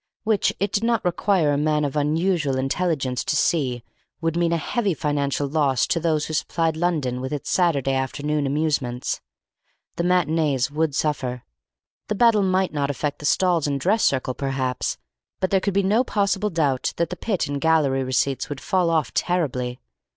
Which, it did not require a man of unusual intelligence to see, would mean a heavy financial loss to those who supplied London with its Saturday afternoon amusements. The matinees would suffer. The battle might not affect the stalls and dress circle, perhaps, but there could be no possible doubt that the pit and gallery receipts would fall off terribly.